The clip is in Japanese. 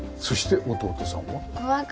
そして弟さんは。